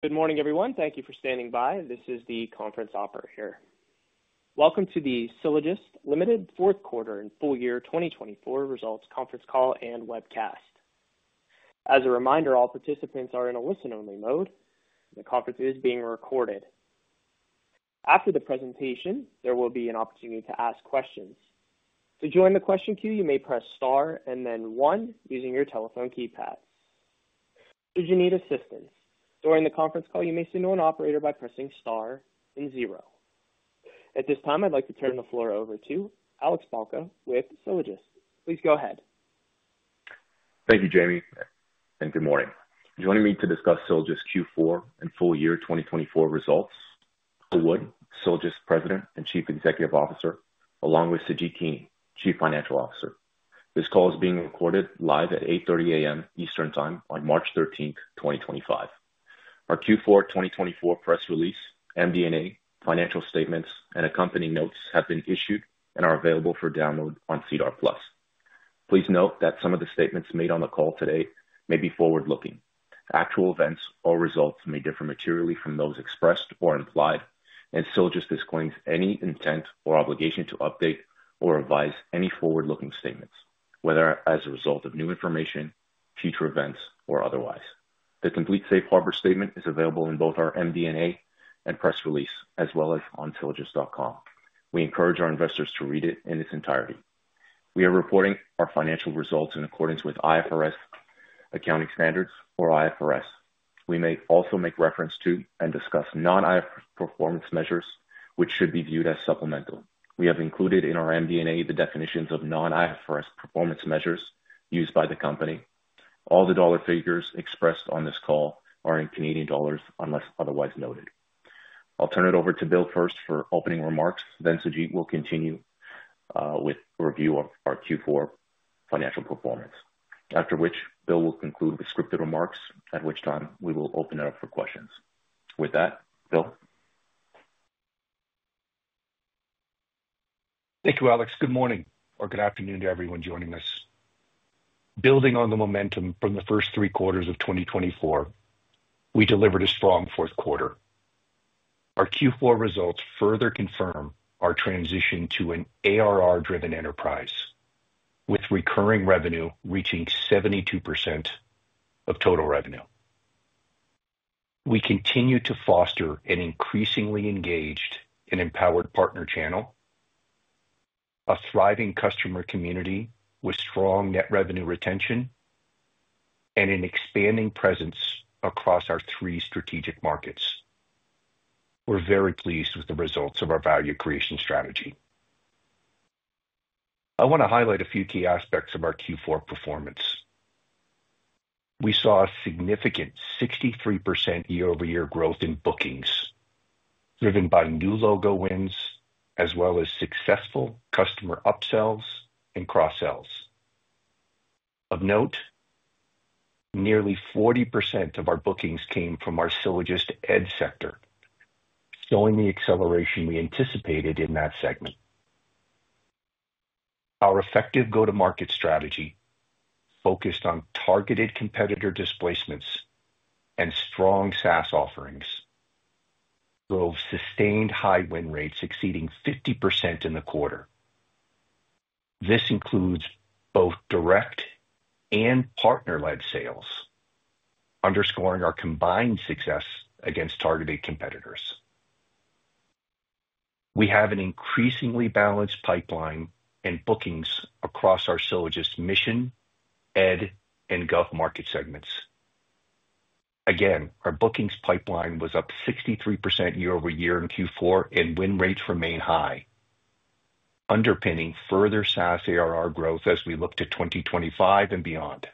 Good morning, everyone. Thank you for standing by. This is the conference operator. Welcome to the Sylogist Limited fourth quarter and full year 2024 results conference call and webcast. As a reminder, all participants are in a listen-only mode, and the conference is being recorded. After the presentation, there will be an opportunity to ask questions. To join the question queue, you may press star and then one using your telephone keypad. Should you need assistance during the conference call, you may signal an operator by pressing star and zero. At this time, I'd like to turn the floor over to Alex Balca with Sylogist. Please go ahead. Thank you, Jamie, and good morning. Joining me to discuss Sylogist Q4 and full year 2024 results. Bill Wood, Sylogist President and Chief Executive Officer, along with Sujeet Kini, Chief Financial Officer. This call is being recorded live at 8:30 A.M. Eastern Time on March 13th, 2025. Our Q4 2024 press release, MD&A financial statements, and accompanying notes have been issued and are available for download on SEDAR+. Please note that some of the statements made on the call today may be forward-looking. Actual events or results may differ materially from those expressed or implied, and Sylogist discloses any intent or obligation to update or advise any forward-looking statements, whether as a result of new information, future events, or otherwise. The complete Safe Harbor statement is available in both our MD&A and press release, as well as on sylogist.com. We encourage our investors to read it in its entirety. We are reporting our financial results in accordance with IFRS accounting standards or IFRS. We may also make reference to and discuss non-IFRS performance measures, which should be viewed as supplemental. We have included in our MD&A the definitions of non-IFRS performance measures used by the company. All the dollar figures expressed on this call are in CAD unless otherwise noted. I'll turn it over to Bill first for opening remarks, then Sujeet will continue with review of our Q4 financial performance, after which Bill will conclude with scripted remarks, at which time we will open it up for questions. With that, Bill. Thank you, Alex. Good morning or good afternoon to everyone joining us. Building on the momentum from the first three quarters of 2024, we delivered a strong fourth quarter. Our Q4 results further confirm our transition to an ARR-driven enterprise, with recurring revenue reaching 72% of total revenue. We continue to foster an increasingly engaged and empowered partner channel, a thriving customer community with strong net revenue retention, and an expanding presence across our three strategic markets. We're very pleased with the results of our value creation strategy. I want to highlight a few key aspects of our Q4 performance. We saw a significant 63% year-over-year growth in bookings, driven by new logo wins, as well as successful customer upsells and cross-sells. Of note, nearly 40% of our bookings came from our SylogistEd sector, showing the acceleration we anticipated in that segment. Our effective go-to-market strategy, focused on targeted competitor displacements and strong SaaS offerings, drove sustained high win rates exceeding 50% in the quarter. This includes both direct and partner-led sales, underscoring our combined success against targeted competitors. We have an increasingly balanced pipeline and bookings across our SylogistMission, Ed, and Gov market segments. Again, our bookings pipeline was up 63% year-over-year in Q4, and win rates remain high, underpinning further SaaS ARR growth as we look to 2025 and beyond.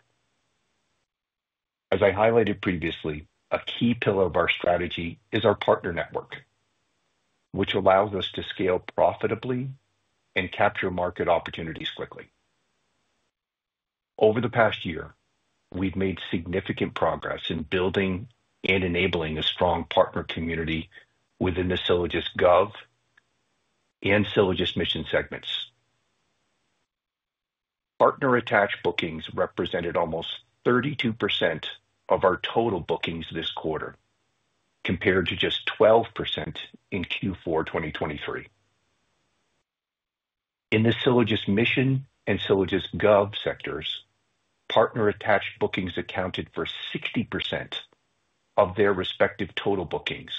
As I highlighted previously, a key pillar of our strategy is our partner network, which allows us to scale profitably and capture market opportunities quickly. Over the past year, we have made significant progress in building and enabling a strong partner community within the SylogistGov and SylogistMission segments. Partner-attached bookings represented almost 32% of our total bookings this quarter, compared to just 12% in Q4 2023. In the SylogistMission and SylogistGov sectors, partner-attached bookings accounted for 60% of their respective total bookings,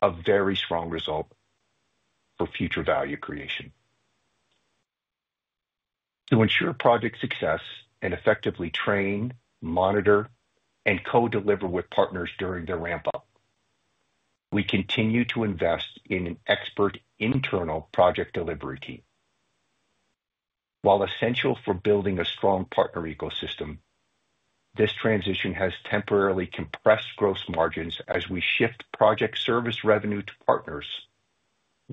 a very strong result for future value creation. To ensure project success and effectively train, monitor, and co-deliver with partners during their ramp-up, we continue to invest in an expert internal project delivery team. While essential for building a strong partner ecosystem, this transition has temporarily compressed gross margins as we shift project service revenue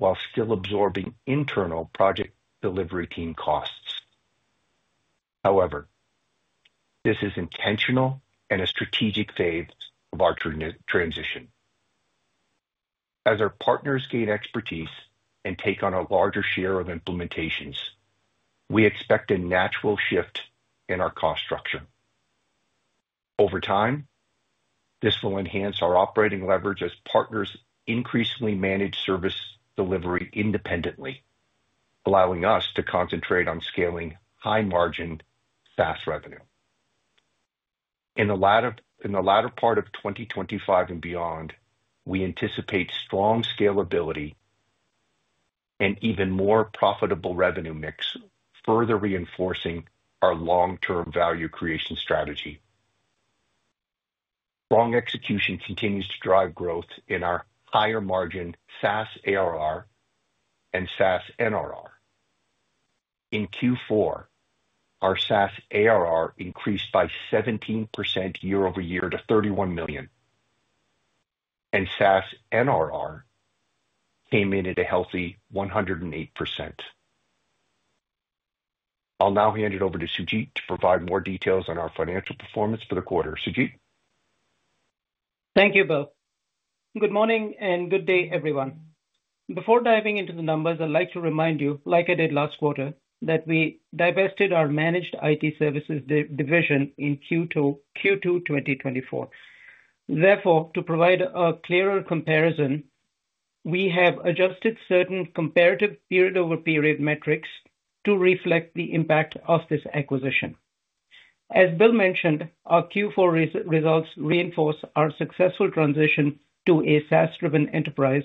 to partners while still absorbing internal project delivery team costs. However, this is intentional and a strategic phase of our transition. As our partners gain expertise and take on a larger share of implementations, we expect a natural shift in our cost structure. Over time, this will enhance our operating leverage as partners increasingly manage service delivery independently, allowing us to concentrate on scaling high-margin SaaS revenue. In the latter part of 2025 and beyond, we anticipate strong scalability and even more profitable revenue mix, further reinforcing our long-term value creation strategy. Strong execution continues to drive growth in our higher-margin SaaS ARR and SaaS NRR. In Q4, our SaaS ARR increased by 17% year-over-year to 31 million, and SaaS NRR came in at a healthy 108%. I'll now hand it over to Sujeet to provide more details on our financial performance for the quarter. Sujeet. Thank you, Bill. Good morning and good day, everyone. Before diving into the numbers, I'd like to remind you, like I did last quarter, that we divested our managed IT services division in Q2 2024. Therefore, to provide a clearer comparison, we have adjusted certain comparative period-over-period metrics to reflect the impact of this acquisition. As Bill mentioned, our Q4 results reinforce our successful transition to a SaaS-driven enterprise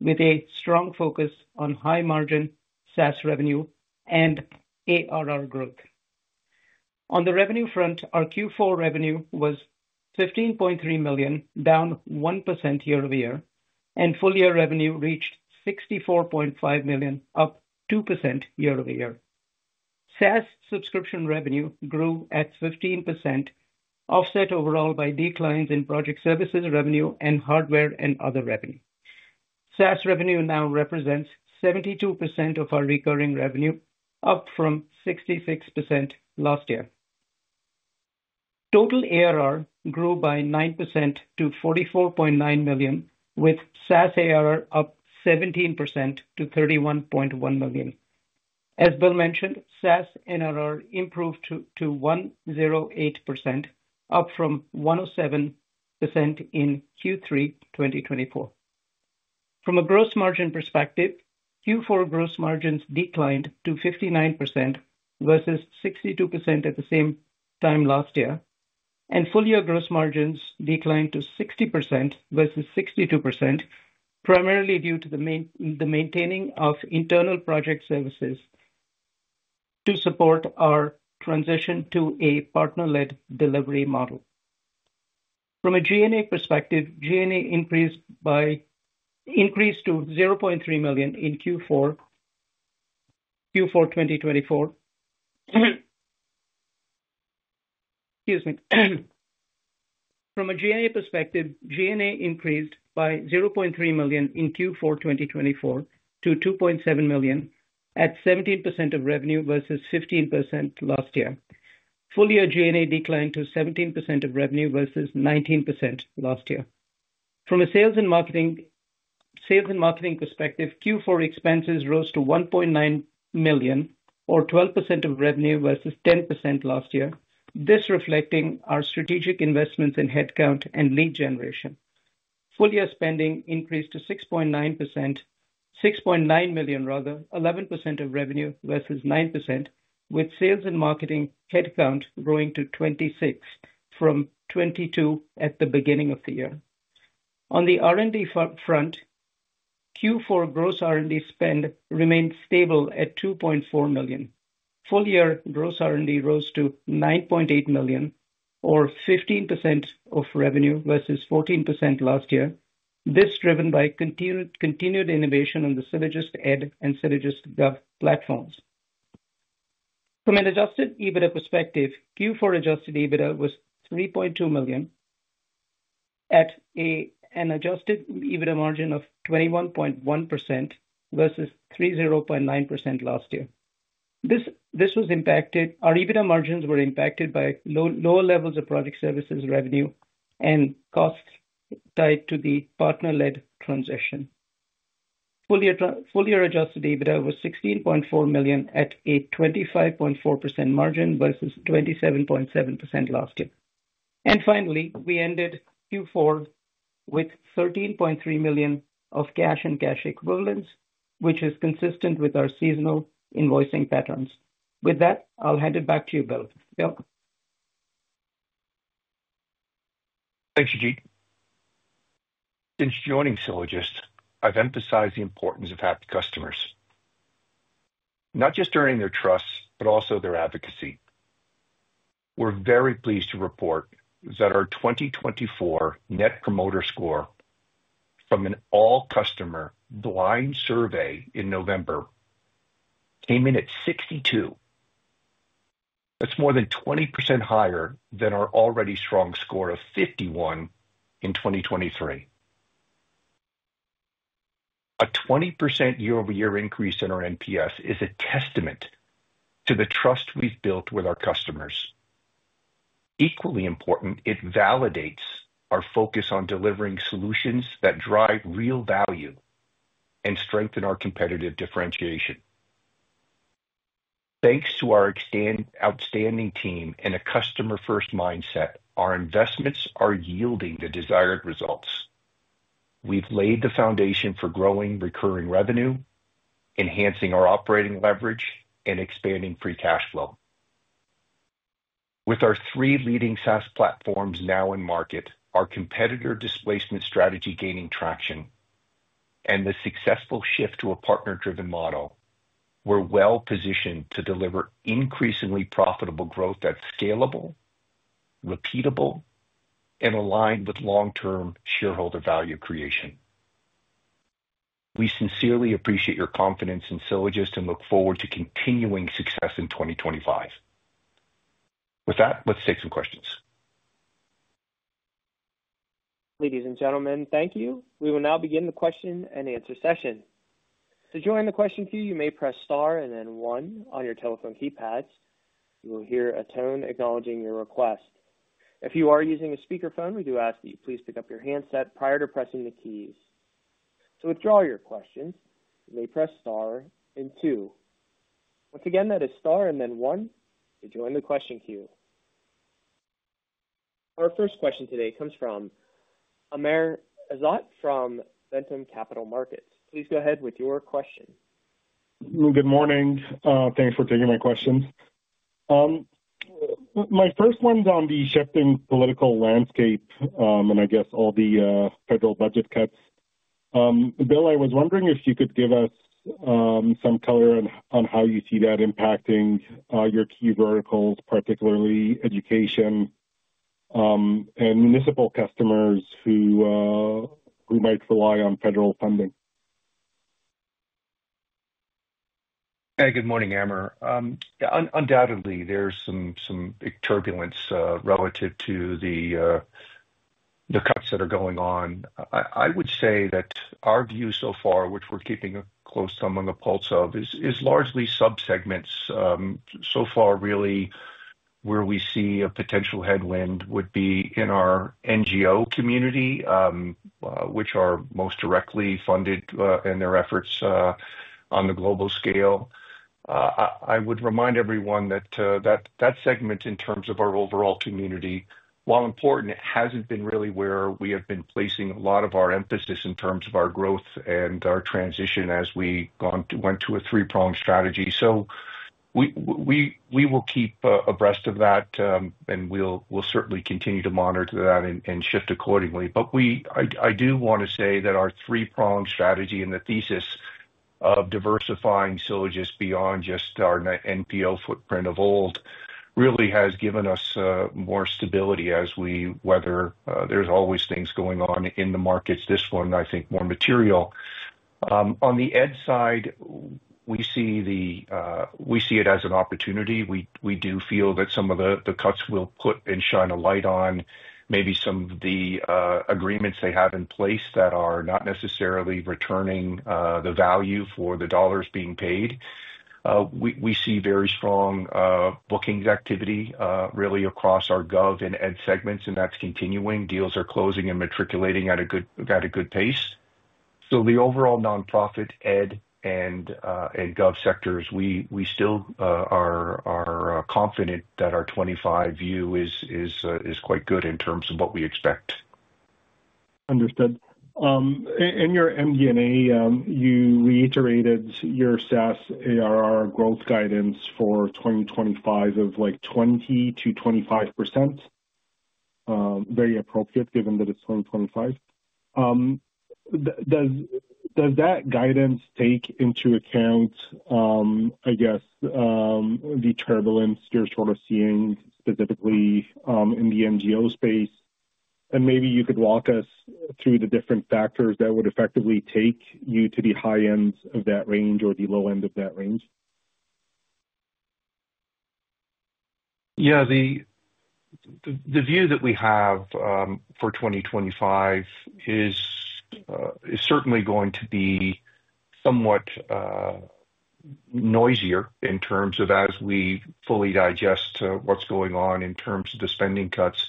with a strong focus on high-margin SaaS revenue and ARR growth. On the revenue front, our Q4 revenue was 15.3 million, down 1% year-over-year, and full-year revenue reached 64.5 million, up 2% year-over-year. SaaS subscription revenue grew at 15%, offset overall by declines in project services revenue and hardware and other revenue. SaaS revenue now represents 72% of our recurring revenue, up from 66% last year. Total ARR grew by 9% to 44.9 million, with SaaS ARR up 17% to 31.1 million. As Bill mentioned, SaaS NRR improved to 108%, up from 107% in Q3 2024. From a gross margin perspective, Q4 gross margins declined to 59% versus 62% at the same time last year, and full-year gross margins declined to 60% versus 62%, primarily due to the maintaining of internal project services to support our transition to a partner-led delivery model. From a G&A perspective, G&A increased to 0.3 million in Q4 2024. Excuse me. From a G&A perspective, G&A increased by 0.3 million in Q4 2024 to 2.7 million at 17% of revenue versus 15% last year. Full-year G&A declined to 17% of revenue versus 19% last year. From a sales and marketing perspective, Q4 expenses rose to 1.9 million, or 12% of revenue versus 10% last year, this reflecting our strategic investments in headcount and lead generation. Full-year spending increased to 6.9 million, rather, 11% of revenue versus 9%, with sales and marketing headcount growing to 26 from 22 at the beginning of the year. On the R&D front, Q4 gross R&D spend remained stable at 2.4 million. Full-year gross R&D rose to 9.8 million, or 15% of revenue versus 14% last year, this driven by continued innovation on the SylogistEd and SylogistGov platforms. From an adjusted EBITDA perspective, Q4 adjusted EBITDA was 3.2 million at an adjusted EBITDA margin of 21.1% versus 30.9% last year. Our EBITDA margins were impacted by lower levels of project services revenue and costs tied to the partner-led transition. Full-year adjusted EBITDA was 16.4 million at a 25.4% margin versus 27.7% last year. Finally, we ended Q4 with 13.3 million of cash and cash equivalents, which is consistent with our seasonal invoicing patterns. With that, I'll hand it back to you, Bill. Bill. Thanks, Sujeet. Since joining Sylogist, I've emphasized the importance of happy customers, not just earning their trust, but also their advocacy. We're very pleased to report that our 2024 net promoter score from an all-customer blind survey in November came in at 62. That's more than 20% higher than our already strong score of 51 in 2023. A 20% year-over-year increase in our NPS is a testament to the trust we've built with our customers. Equally important, it validates our focus on delivering solutions that drive real value and strengthen our competitive differentiation. Thanks to our outstanding team and a customer-first mindset, our investments are yielding the desired results. We've laid the foundation for growing recurring revenue, enhancing our operating leverage, and expanding free cash flow. With our three leading SaaS platforms now in market, our competitor displacement strategy gaining traction, and the successful shift to a partner-driven model, we're well-positioned to deliver increasingly profitable growth that's scalable, repeatable, and aligned with long-term shareholder value creation. We sincerely appreciate your confidence in Sylogist and look forward to continuing success in 2025. With that, let's take some questions. Ladies and gentlemen, thank you. We will now begin the question-and-answer session. To join the question queue, you may press star and then one on your telephone keypads. You will hear a tone acknowledging your request. If you are using a speakerphone, we do ask that you please pick up your handset prior to pressing the keys. To withdraw your questions, you may press star and two. Once again, that is star and then one to join the question queue. Our first question today comes from Amr Ezzat from Ventum Capital Markets. Please go ahead with your question. Good morning. Thanks for taking my question. My first one's on the shifting political landscape and, I guess, all the federal budget cuts. Bill, I was wondering if you could give us some color on how you see that impacting your key verticals, particularly education and municipal customers who might rely on federal funding. Hey, good morning, Amr. Undoubtedly, there's some turbulence relative to the cuts that are going on. I would say that our view so far, which we're keeping a close thumb on the pulse of, is largely subsegments. So far, really, where we see a potential headwind would be in our NGO community, which are most directly funded in their efforts on the global scale. I would remind everyone that that segment, in terms of our overall community, while important, hasn't been really where we have been placing a lot of our emphasis in terms of our growth and our transition as we went to a three-pronged strategy. We will keep abreast of that, and we'll certainly continue to monitor that and shift accordingly. I do want to say that our three-pronged strategy and the thesis of diversifying Sylogist beyond just our NPO footprint of old really has given us more stability as we weather. There are always things going on in the markets. This one, I think, is more material. On the ed side, we see it as an opportunity. We do feel that some of the cuts will put and shine a light on maybe some of the agreements they have in place that are not necessarily returning the value for the dollars being paid. We see very strong bookings activity really across our gov and ed segments, and that is continuing. Deals are closing and matriculating at a good pace. The overall nonprofit, ed, and gov sectors, we still are confident that our 2025 view is quite good in terms of what we expect. Understood. In your MD&A, you reiterated your SaaS ARR growth guidance for 2025 of like 20%-25%, very appropriate given that it's 2025. Does that guidance take into account, I guess, the turbulence you're sort of seeing specifically in the NGO space? Maybe you could walk us through the different factors that would effectively take you to the high end of that range or the low end of that range. Yeah. The view that we have for 2025 is certainly going to be somewhat noisier in terms of as we fully digest what is going on in terms of the spending cuts.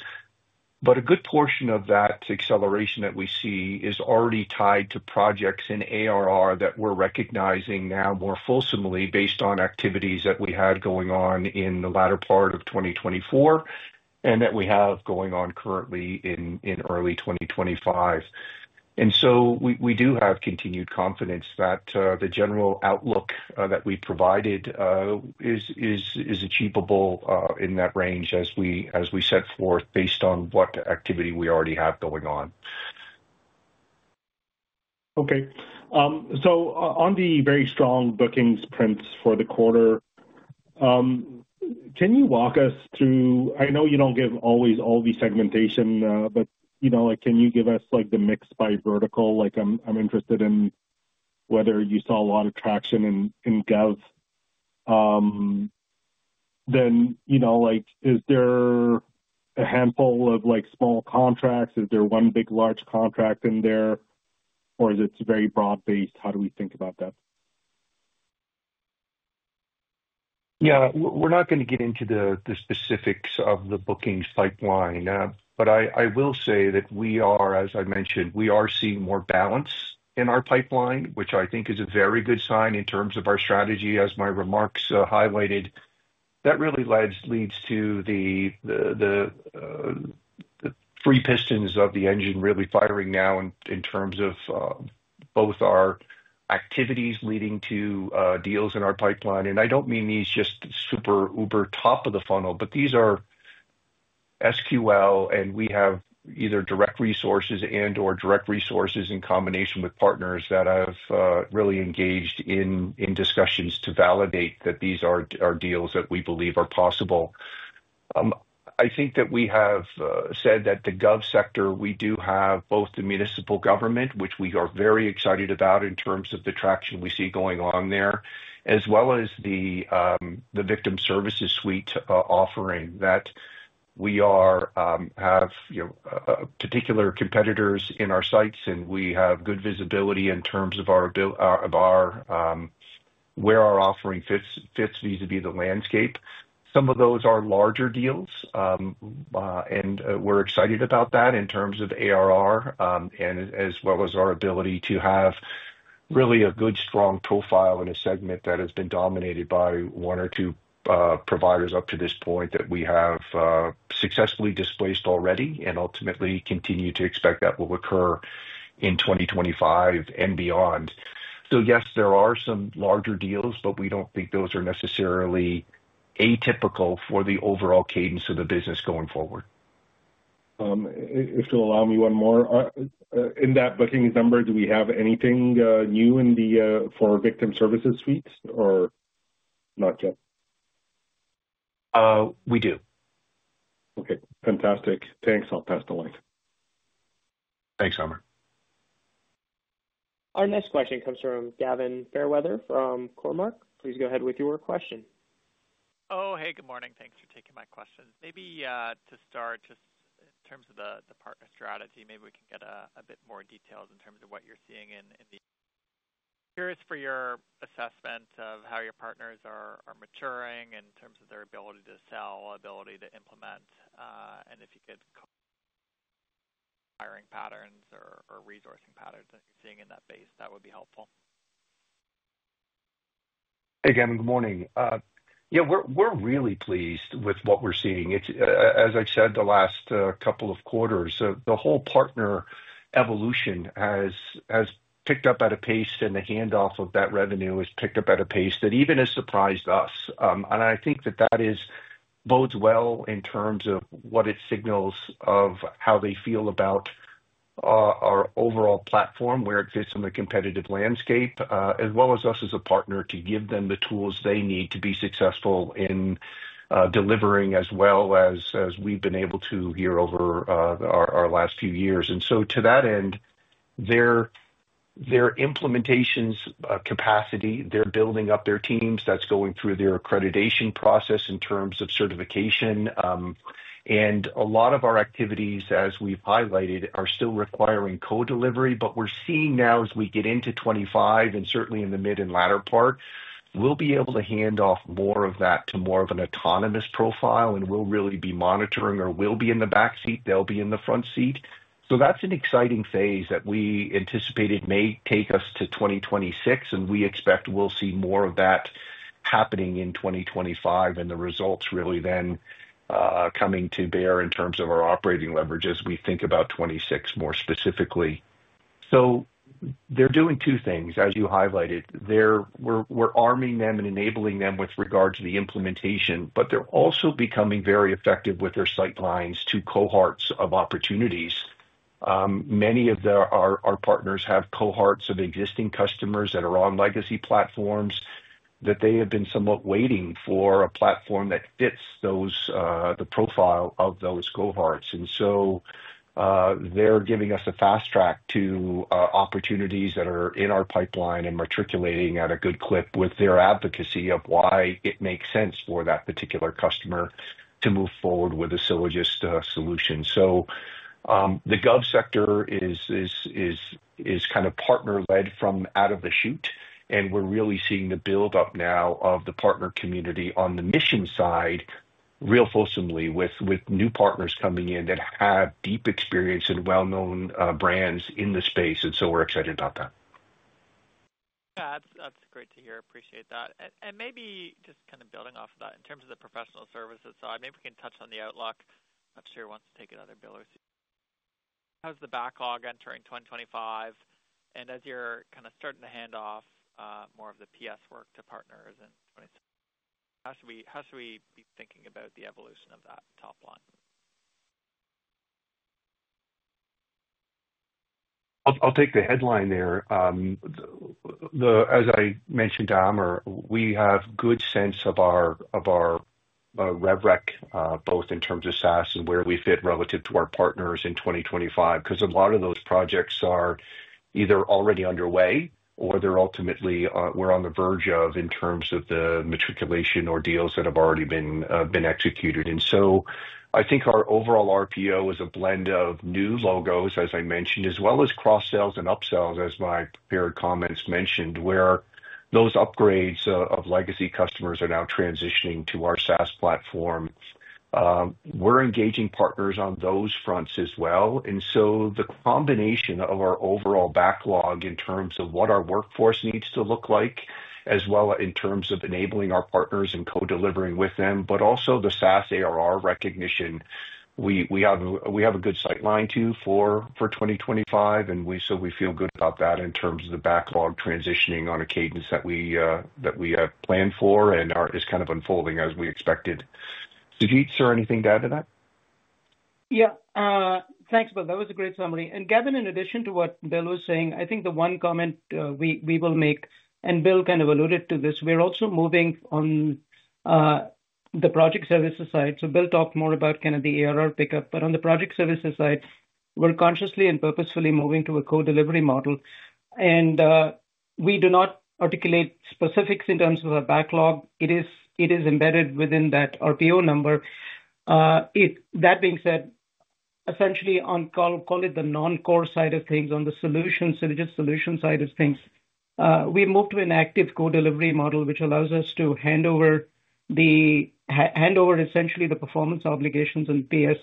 A good portion of that acceleration that we see is already tied to projects in ARR that we are recognizing now more fulsomely based on activities that we had going on in the latter part of 2024 and that we have going on currently in early 2025. We do have continued confidence that the general outlook that we provided is achievable in that range as we set forth based on what activity we already have going on. Okay. On the very strong bookings prints for the quarter, can you walk us through? I know you don't give always all the segmentation, but can you give us the mix by vertical? I'm interested in whether you saw a lot of traction in gov. Is there a handful of small contracts? Is there one big large contract in there, or is it very broad-based? How do we think about that? Yeah. We're not going to get into the specifics of the bookings pipeline, but I will say that we are, as I mentioned, we are seeing more balance in our pipeline, which I think is a very good sign in terms of our strategy. As my remarks highlighted, that really leads to the three pistons of the engine really firing now in terms of both our activities leading to deals in our pipeline. I don't mean these just super uber top of the funnel, but these are SQL, and we have either direct resources and/or direct resources in combination with partners that have really engaged in discussions to validate that these are deals that we believe are possible. I think that we have said that the gov sector, we do have both the municipal government, which we are very excited about in terms of the traction we see going on there, as well as the Victim Services Suite offering that we have particular competitors in our sights, and we have good visibility in terms of where our offering fits vis-à-vis the landscape. Some of those are larger deals, and we're excited about that in terms of ARR and as well as our ability to have really a good strong profile in a segment that has been dominated by one or two providers up to this point that we have successfully displaced already and ultimately continue to expect that will occur in 2025 and beyond. Yes, there are some larger deals, but we don't think those are necessarily atypical for the overall cadence of the business going forward. If you'll allow me one more, in that bookings number, do we have anything new for Victim Services Suite or not yet? We do. Okay. Fantastic. Thanks. I'll pass the mic. Thanks, Amr. Our next question comes from Gavin Fairweather from Cormark. Please go ahead with your question. Oh, hey, good morning. Thanks for taking my question. Maybe to start, just in terms of the partner strategy, maybe we can get a bit more details in terms of what you're seeing and curious for your assessment of how your partners are maturing in terms of their ability to sell, ability to implement, and if you could, hiring patterns or resourcing patterns that you're seeing in that base, that would be helpful. Hey, Gavin, good morning. Yeah, we're really pleased with what we're seeing. As I've said the last couple of quarters, the whole partner evolution has picked up at a pace and the handoff of that revenue has picked up at a pace that even has surprised us. I think that that bodes well in terms of what it signals of how they feel about our overall platform, where it fits on the competitive landscape, as well as us as a partner to give them the tools they need to be successful in delivering as well as we've been able to here over our last few years. To that end, their implementation capacity, they're building up their teams, that's going through their accreditation process in terms of certification. A lot of our activities, as we've highlighted, are still requiring co-delivery, but we're seeing now as we get into 2025 and certainly in the mid and latter part, we'll be able to hand off more of that to more of an autonomous profile, and we'll really be monitoring or we'll be in the back seat, they'll be in the front seat. That is an exciting phase that we anticipated may take us to 2026, and we expect we'll see more of that happening in 2025 and the results really then coming to bear in terms of our operating leverage as we think about 2026 more specifically. They are doing two things, as you highlighted. We're arming them and enabling them with regards to the implementation, but they're also becoming very effective with their sight lines to cohorts of opportunities. Many of our partners have cohorts of existing customers that are on legacy platforms that they have been somewhat waiting for a platform that fits the profile of those cohorts. They are giving us a fast track to opportunities that are in our pipeline and matriculating at a good clip with their advocacy of why it makes sense for that particular customer to move forward with a Sylogist solution. The gov sector is kind of partner-led from out of the chute, and we are really seeing the build-up now of the partner community on the mission side real fulsomely with new partners coming in that have deep experience and well-known brands in the space. We are excited about that. Yeah, that's great to hear. Appreciate that. Maybe just kind of building off of that in terms of the professional services side, maybe we can touch on the outlook. I'm not sure who wants to take it, either Bill or Sujeet. How's the backlog entering 2025? As you're kind of starting to hand off more of the PS work to partners in 2026, how should we be thinking about the evolution of that top line? I'll take the headline there. As I mentioned, Amr, we have good sense of our rubric, both in terms of SaaS and where we fit relative to our partners in 2025, because a lot of those projects are either already underway or they're ultimately we're on the verge of in terms of the matriculation or deals that have already been executed. I think our overall RPO is a blend of new logos, as I mentioned, as well as cross-sales and up-sales, as my peer comments mentioned, where those upgrades of legacy customers are now transitioning to our SaaS platform. We're engaging partners on those fronts as well. The combination of our overall backlog in terms of what our workforce needs to look like, as well as in terms of enabling our partners and co-delivering with them, but also the SaaS ARR recognition, we have a good sight line to for 2025, and we feel good about that in terms of the backlog transitioning on a cadence that we plan for and is kind of unfolding as we expected. Sujeet, is there anything to add to that? Yeah. Thanks, Bill. That was a great summary. Gavin, in addition to what Bill was saying, I think the one comment we will make, and Bill kind of alluded to this, we're also moving on the project services side. Bill talked more about kind of the ARR pickup, but on the project services side, we're consciously and purposefully moving to a co-delivery model. We do not articulate specifics in terms of our backlog. It is embedded within that RPO number. That being said, essentially on, I'll call it the non-core side of things, on the Sylogist solution side of things, we moved to an active co-delivery model, which allows us to hand over essentially the performance obligations and PS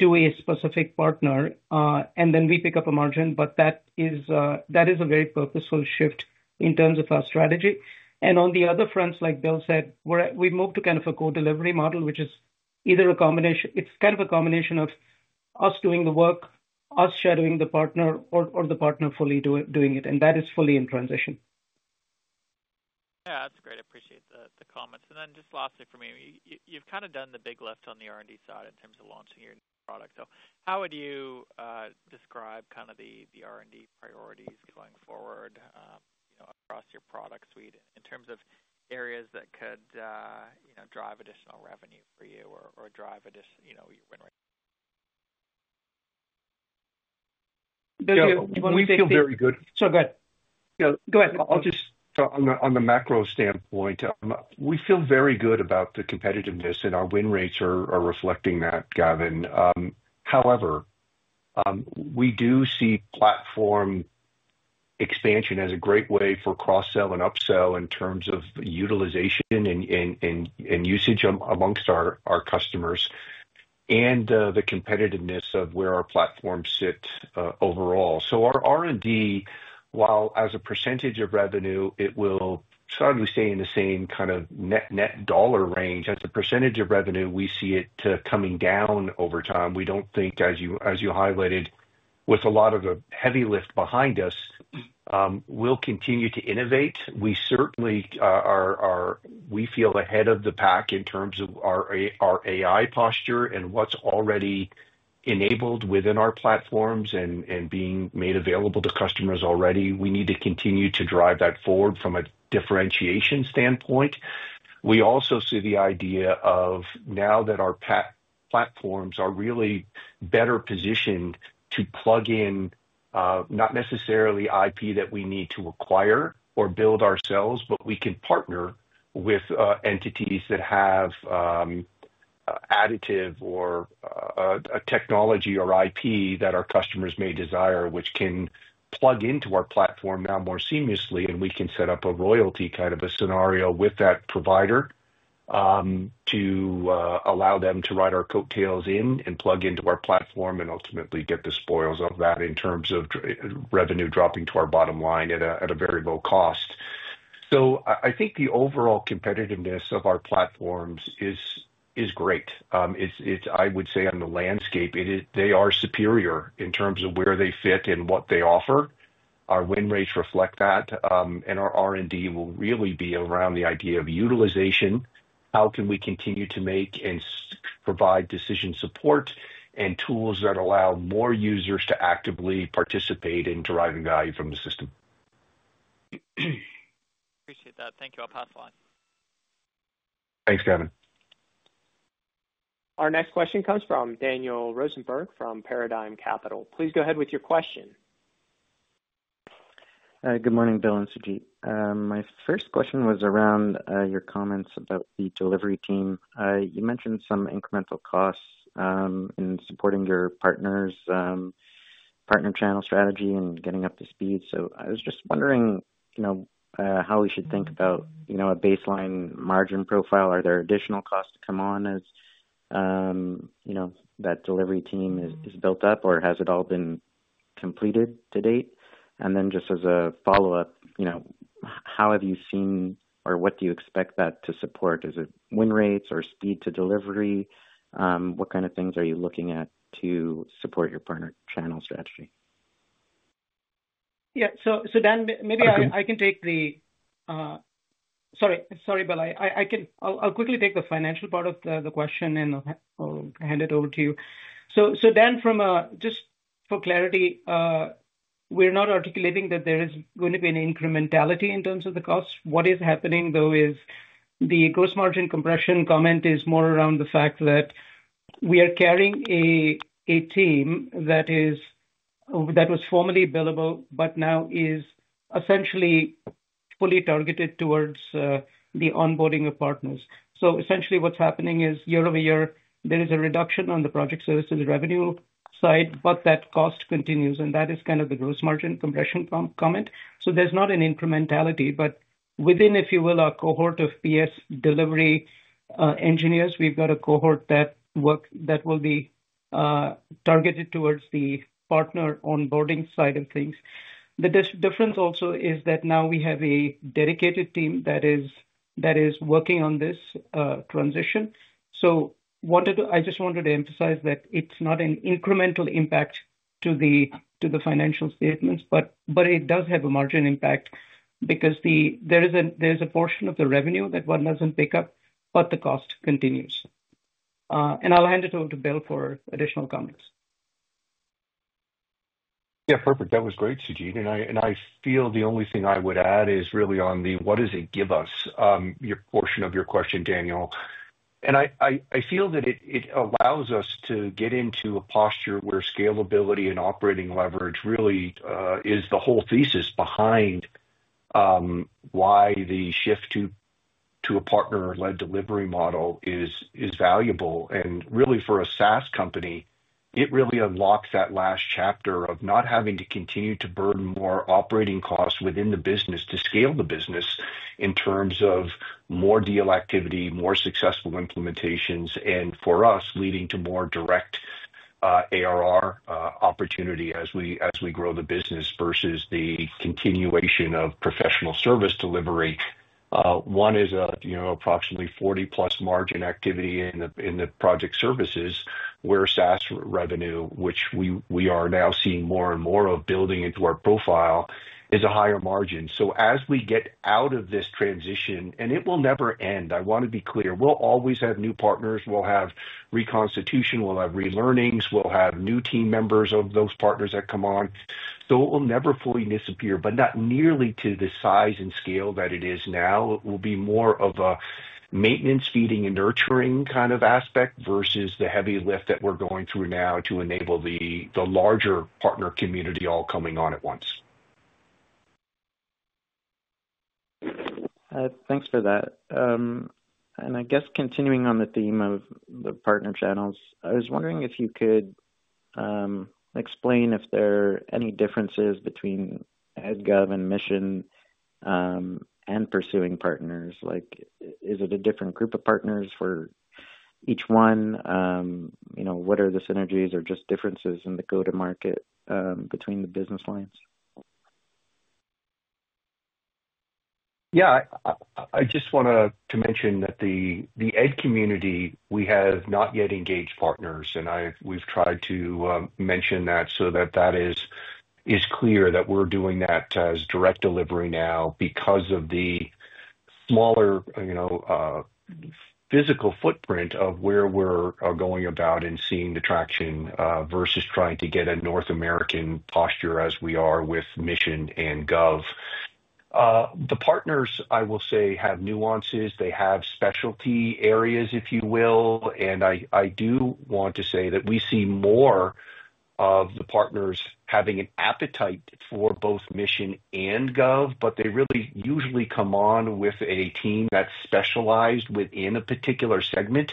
to a specific partner, and then we pick up a margin, but that is a very purposeful shift in terms of our strategy. On the other fronts, like Bill said, we moved to kind of a co-delivery model, which is either a combination, it's kind of a combination of us doing the work, us shadowing the partner, or the partner fully doing it. That is fully in transition. Yeah, that's great. I appreciate the comments. Just lastly for me, you've kind of done the big lift on the R&D side in terms of launching your new product. How would you describe kind of the R&D priorities going forward across your product suite in terms of areas that could drive additional revenue for you or drive your win rate? Bill, we feel very good. Go ahead. Go ahead. I'll just. On the macro standpoint, we feel very good about the competitiveness, and our win rates are reflecting that, Gavin. However, we do see platform expansion as a great way for cross-sell and up-sell in terms of utilization and usage amongst our customers and the competitiveness of where our platforms sit overall. Our R&D, while as a percentage of revenue, it will certainly stay in the same kind of net dollar range. As a percentage of revenue, we see it coming down over time. We do not think, as you highlighted, with a lot of the heavy lift behind us, we will continue to innovate. We certainly feel ahead of the pack in terms of our AI posture and what is already enabled within our platforms and being made available to customers already. We need to continue to drive that forward from a differentiation standpoint. We also see the idea of now that our platforms are really better positioned to plug in not necessarily IP that we need to acquire or build ourselves, but we can partner with entities that have additive or a technology or IP that our customers may desire, which can plug into our platform now more seamlessly, and we can set up a royalty kind of a scenario with that provider to allow them to ride our coattails in and plug into our platform and ultimately get the spoils of that in terms of revenue dropping to our bottom line at a very low cost. I think the overall competitiveness of our platforms is great. I would say on the landscape, they are superior in terms of where they fit and what they offer. Our win rates reflect that, and our R&D will really be around the idea of utilization. How can we continue to make and provide decision support and tools that allow more users to actively participate in deriving value from the system? Appreciate that. Thank you. I'll pass the line. Thanks, Gavin. Our next question comes from Daniel Rosenberg from Paradigm Capital. Please go ahead with your question. Good morning, Bill and Sujeet. My first question was around your comments about the delivery team. You mentioned some incremental costs in supporting your partner's partner channel strategy and getting up to speed. I was just wondering how we should think about a baseline margin profile. Are there additional costs to come on as that delivery team is built up, or has it all been completed to date? Just as a follow-up, how have you seen or what do you expect that to support? Is it win rates or speed to delivery? What kind of things are you looking at to support your partner channel strategy? Yeah. Dan, maybe I can take the—sorry, Bill. I'll quickly take the financial part of the question and I'll hand it over to you. Dan, just for clarity, we're not articulating that there is going to be an incrementality in terms of the costs. What is happening, though, is the gross margin compression comment is more around the fact that we are carrying a team that was formerly billable, but now is essentially fully targeted towards the onboarding of partners. Essentially what's happening is year over year, there is a reduction on the project services revenue side, but that cost continues, and that is kind of the gross margin compression comment. There's not an incrementality, but within, if you will, our cohort of PS delivery engineers, we've got a cohort that will be targeted towards the partner onboarding side of things. The difference also is that now we have a dedicated team that is working on this transition. I just wanted to emphasize that it's not an incremental impact to the financial statements, but it does have a margin impact because there is a portion of the revenue that one doesn't pick up, but the cost continues. I'll hand it over to Bill for additional comments. Yeah, perfect. That was great, Sujeet. I feel the only thing I would add is really on the, what does it give us, your portion of your question, Daniel? I feel that it allows us to get into a posture where scalability and operating leverage really is the whole thesis behind why the shift to a partner-led delivery model is valuable. Really, for a SaaS company, it really unlocks that last chapter of not having to continue to burn more operating costs within the business to scale the business in terms of more deal activity, more successful implementations, and for us, leading to more direct ARR opportunity as we grow the business versus the continuation of professional service delivery. One is approximately 40+% margin activity in the project services where SaaS revenue, which we are now seeing more and more of building into our profile, is a higher margin. As we get out of this transition, and it will never end, I want to be clear, we'll always have new partners. We'll have reconstitution. We'll have relearnings. We'll have new team members of those partners that come on. It will never fully disappear, but not nearly to the size and scale that it is now. It will be more of a maintenance, feeding, and nurturing kind of aspect versus the heavy lift that we're going through now to enable the larger partner community all coming on at once. Thanks for that. I guess continuing on the theme of the partner channels, I was wondering if you could explain if there are any differences between gov and mission and pursuing partners. Is it a different group of partners for each one? What are the synergies or just differences in the go-to-market between the business lines? Yeah. I just want to mention that the ed community, we have not yet engaged partners, and we've tried to mention that so that that is clear that we're doing that as direct delivery now because of the smaller physical footprint of where we're going about and seeing the traction versus trying to get a North American posture as we are with mission and gov. The partners, I will say, have nuances. They have specialty areas, if you will. I do want to say that we see more of the partners having an appetite for both mission and gov, but they really usually come on with a team that's specialized within a particular segment.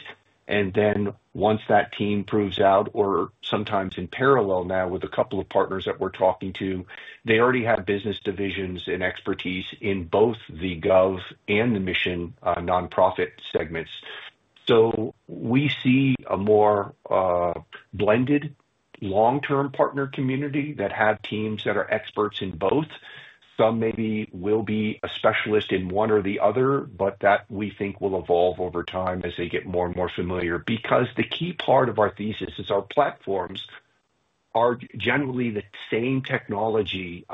Once that team proves out, or sometimes in parallel now with a couple of partners that we're talking to, they already have business divisions and expertise in both the Gov and the mission nonprofit segments. We see a more blended long-term partner community that have teams that are experts in both. Some maybe will be a specialist in one or the other, but we think that will evolve over time as they get more and more familiar because the key part of our thesis is our platforms are generally the same technology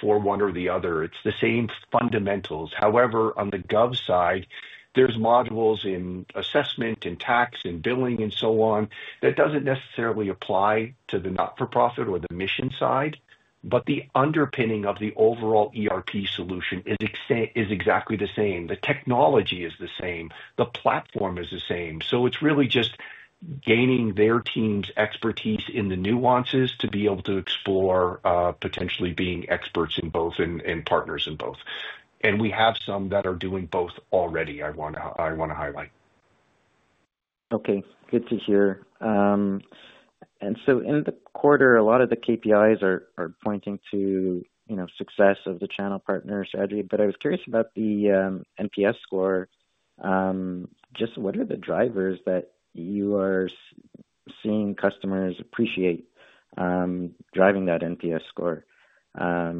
for one or the other. It's the same fundamentals. However, on the Gov side, there are modules in assessment and tax and billing and so on that do not necessarily apply to the not-for-profit or the mission side, but the underpinning of the overall ERP solution is exactly the same. The technology is the same. The platform is the same. It is really just gaining their team's expertise in the nuances to be able to explore potentially being experts in both and partners in both. We have some that are doing both already, I want to highlight. Okay. Good to hear. In the quarter, a lot of the KPIs are pointing to success of the channel partner strategy, but I was curious about the NPS score. Just what are the drivers that you are seeing customers appreciate driving that NPS score? Yeah,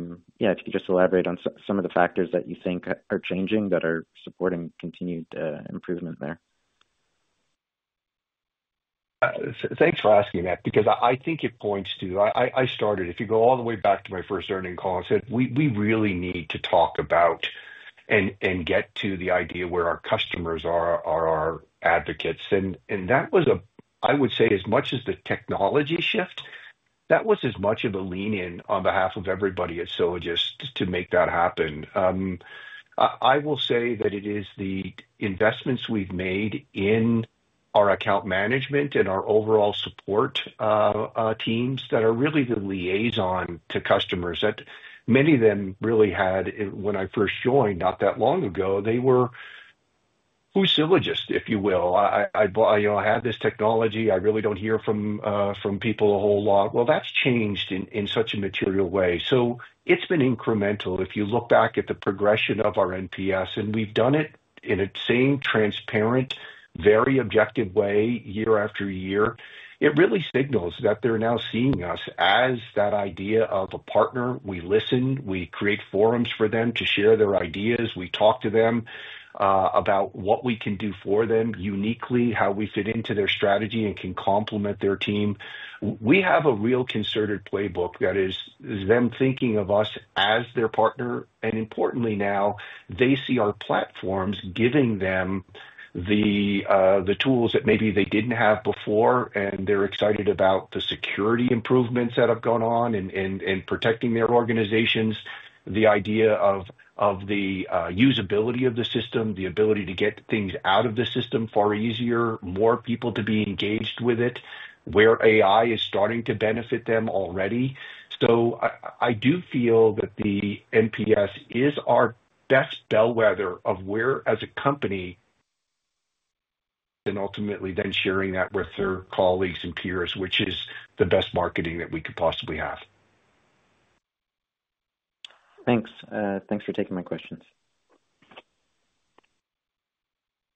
if you could just elaborate on some of the factors that you think are changing that are supporting continued improvement there. Thanks for asking that because I think it points to I started, if you go all the way back to my first earning call, I said, "We really need to talk about and get to the idea where our customers are our advocates." That was, I would say, as much as the technology shift, that was as much of a lean-in on behalf of everybody at Sylogist to make that happen. I will say that it is the investments we've made in our account management and our overall support teams that are really the liaison to customers that many of them really had when I first joined, not that long ago. They were, "Who's Sylogist, if you will? I have this technology. I really don't hear from people a whole lot." That has changed in such a material way. It has been incremental. If you look back at the progression of our NPS, and we've done it in a same transparent, very objective way year after year, it really signals that they're now seeing us as that idea of a partner. We listen. We create forums for them to share their ideas. We talk to them about what we can do for them uniquely, how we fit into their strategy and can complement their team. We have a real concerted playbook that is them thinking of us as their partner. Importantly now, they see our platforms giving them the tools that maybe they did not have before, and they are excited about the security improvements that have gone on in protecting their organizations, the idea of the usability of the system, the ability to get things out of the system far easier, more people to be engaged with it, where AI is starting to benefit them already. I do feel that the NPS is our best bellwether of where as a company and ultimately then sharing that with their colleagues and peers, which is the best marketing that we could possibly have. Thanks. Thanks for taking my questions.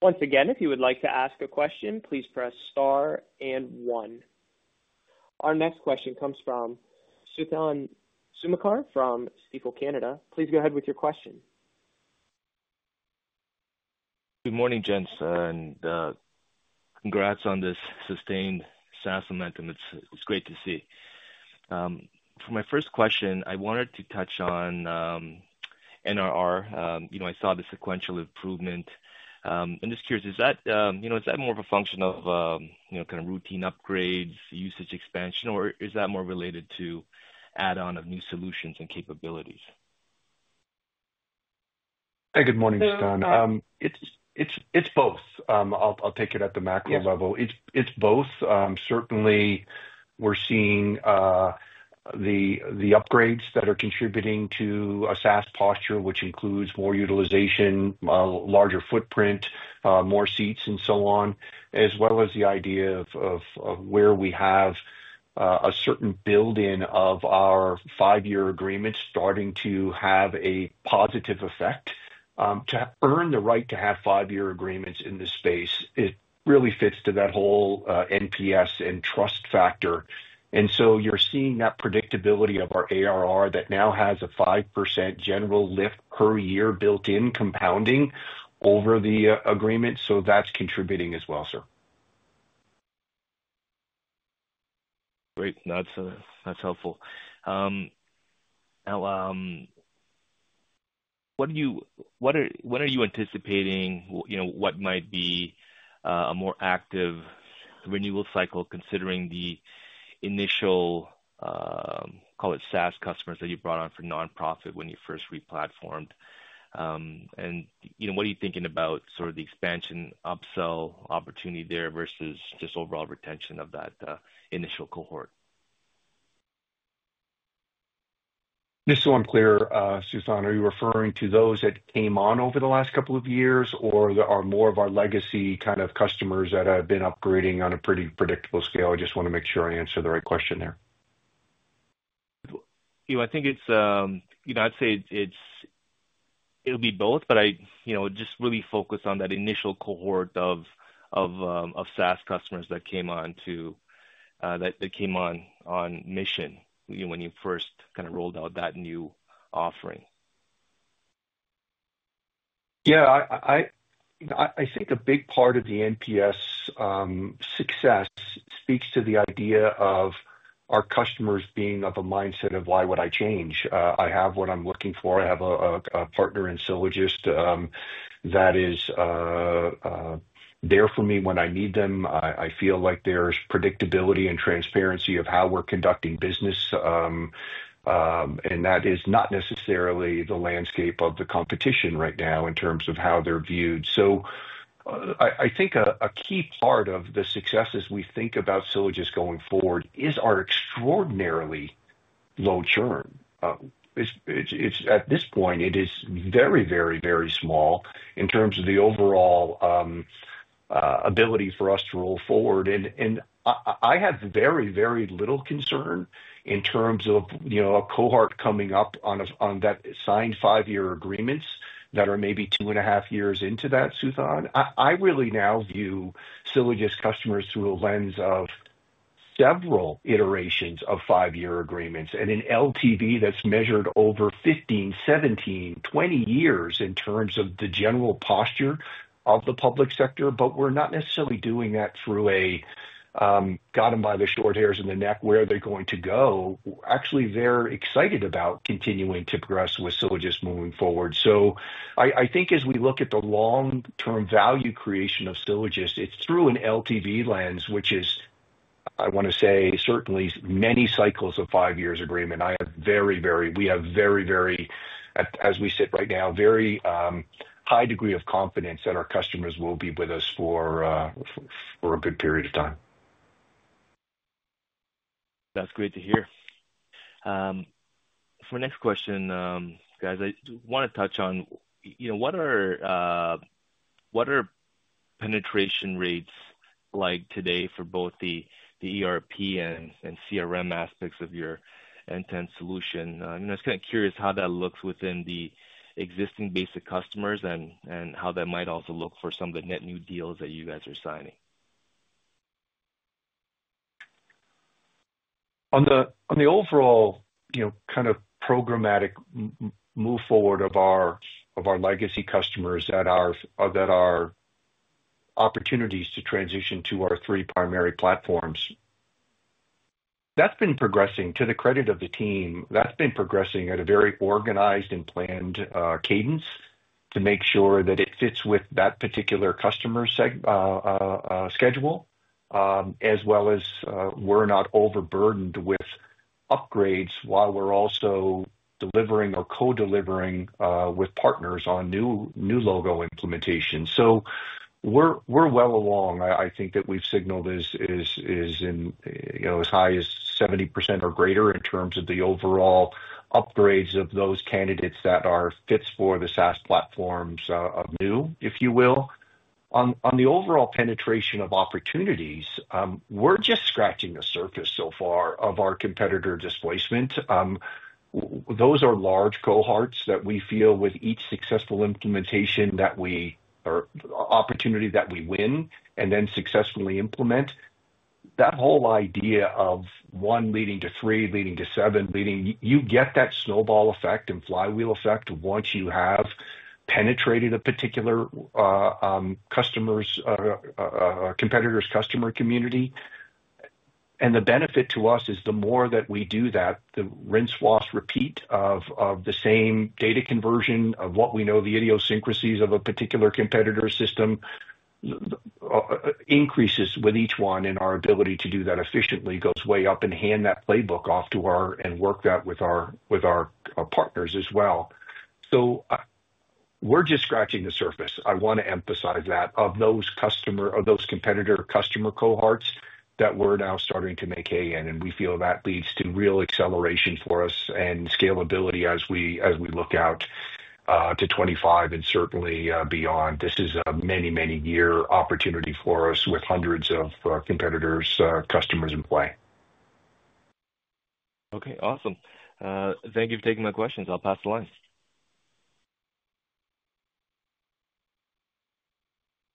Once again, if you would like to ask a question, please press star and one. Our next question comes from Suthan Sukumar from Stifel Canada. Please go ahead with your question. Good morning, gents. Congrats on this sustained SaaS momentum. It's great to see. For my first question, I wanted to touch on NRR. I saw the sequential improvement. I'm just curious, is that more of a function of kind of routine upgrades, usage expansion, or is that more related to add-on of new solutions and capabilities? Hi, good morning, Suthan. It's both. I'll take it at the macro level. It's both. Certainly, we're seeing the upgrades that are contributing to a SaaS posture, which includes more utilization, larger footprint, more seats, and so on, as well as the idea of where we have a certain build-in of our five-year agreements starting to have a positive effect to earn the right to have five-year agreements in this space. It really fits to that whole NPS and trust factor. You are seeing that predictability of our ARR that now has a 5% general lift per year built-in compounding over the agreement. That's contributing as well, sir. Great. That's helpful. Now, when are you anticipating what might be a more active renewal cycle considering the initial, call it SaaS customers that you brought on for nonprofit when you first replatformed? What are you thinking about sort of the expansion upsell opportunity there versus just overall retention of that initial cohort? Just so I'm clear, Suthan, are you referring to those that came on over the last couple of years, or are more of our legacy kind of customers that have been upgrading on a pretty predictable scale? I just want to make sure I answer the right question there. I think it's—I’d say it'll be both, but I just really focus on that initial cohort of SaaS customers that came on to—that came on mission when you first kind of rolled out that new offering. Yeah. I think a big part of the NPS success speaks to the idea of our customers being of a mindset of, "Why would I change? I have what I'm looking for. I have a partner in Sylogist that is there for me when I need them." I feel like there's predictability and transparency of how we're conducting business, and that is not necessarily the landscape of the competition right now in terms of how they're viewed. I think a key part of the success as we think about Sylogist going forward is our extraordinarily low churn. At this point, it is very, very, very small in terms of the overall ability for us to roll forward. I have very, very little concern in terms of a cohort coming up on that signed five-year agreements that are maybe two and a half years into that, Suthan. I really now view Sylogist customers through a lens of several iterations of five-year agreements and an LTV that's measured over 15, 17, 20 years in terms of the general posture of the public sector, but we're not necessarily doing that through a got them by the short hairs in the neck where they're going to go. Actually, they're excited about continuing to progress with Sylogist moving forward. I think as we look at the long-term value creation of Sylogist, it's through an LTV lens, which is, I want to say, certainly many cycles of five-year agreement. I have very, very—we have very, very, as we sit right now, very high degree of confidence that our customers will be with us for a good period of time. That's great to hear. For my next question, guys, I want to touch on what are penetration rates like today for both the ERP and CRM aspects of your end-to-end solution? I'm just kind of curious how that looks within the existing basic customers and how that might also look for some of the net new deals that you guys are signing. On the overall kind of programmatic move forward of our legacy customers that are opportunities to transition to our three primary platforms, that's been progressing to the credit of the team. That's been progressing at a very organized and planned cadence to make sure that it fits with that particular customer schedule, as well as we're not overburdened with upgrades while we're also delivering or co-delivering with partners on new logo implementation. We are well along. I think that we've signaled this is as high as 70% or greater in terms of the overall upgrades of those candidates that are fits for the SaaS platforms of new, if you will. On the overall penetration of opportunities, we're just scratching the surface so far of our competitor displacement. Those are large cohorts that we feel with each successful implementation that we or opportunity that we win and then successfully implement. That whole idea of one leading to three, leading to seven, leading—you get that snowball effect and flywheel effect once you have penetrated a particular customer's competitor's customer community. The benefit to us is the more that we do that, the rinse-wash repeat of the same data conversion of what we know the idiosyncrasies of a particular competitor system increases with each one, and our ability to do that efficiently goes way up and hand that playbook off to our and work that with our partners as well. We are just scratching the surface. I want to emphasize that of those customer or those competitor customer cohorts that we are now starting to make hay in, and we feel that leads to real acceleration for us and scalability as we look out to 2025 and certainly beyond. This is a many, many year opportunity for us with hundreds of competitors, customers in play. Okay. Awesome. Thank you for taking my questions. I'll pass the line.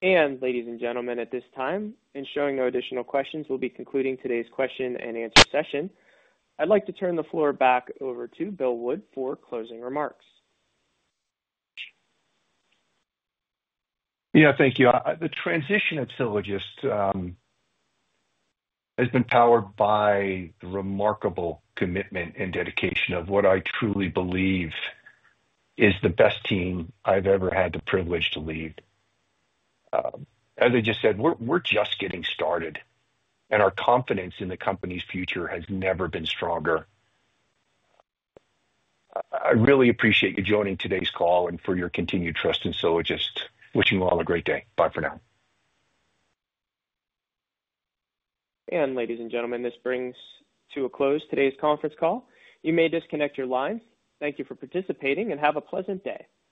Ladies and gentlemen, at this time, ensuring no additional questions, we will be concluding today's question and answer session. I'd like to turn the floor back over to Bill Wood for closing remarks. Yeah, thank you. The transition of Sylogist has been powered by the remarkable commitment and dedication of what I truly believe is the best team I've ever had the privilege to lead. As I just said, we're just getting started, and our confidence in the company's future has never been stronger. I really appreciate you joining today's call and for your continued trust in Sylogist. Wishing you all a great day. Bye for now. Ladies and gentlemen, this brings to a close today's conference call. You may disconnect your lines. Thank you for participating and have a pleasant day.